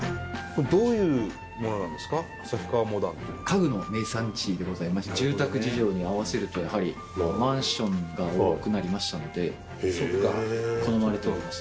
家具の名産地でございまして住宅事情に合わせるとやはりマンションが多くなりましたので好まれております。